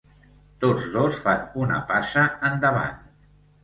Tots dos fan una passa endavant.